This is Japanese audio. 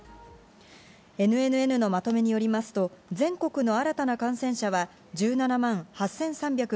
ＮＮＮのまとめによりますと、全国の新たな感染者は１７万８３５６人。